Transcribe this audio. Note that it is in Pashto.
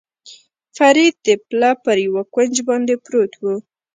فرید د پله پر یوه کونج باندې پروت و.